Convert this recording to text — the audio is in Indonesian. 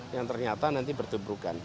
yang ternyata nanti bertuburkan